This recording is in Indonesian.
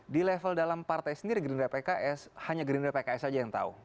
di level dalam partai sendiri green rep pks hanya green rep pks saja yang tahu